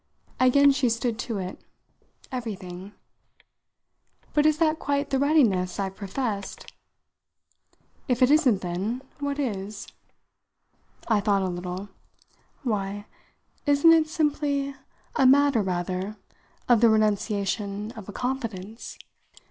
Again she stood to it. "Everything." "But is that quite the readiness I've professed?" "If it isn't then, what is?" I thought a little. "Why, isn't it simply a matter rather of the renunciation of a confidence?"